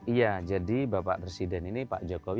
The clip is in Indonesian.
iya jadi bapak presiden ini pak jokowi